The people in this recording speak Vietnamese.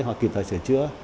họ kịp thời sửa chữa